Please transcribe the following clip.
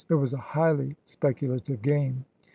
It was a highly speculative game.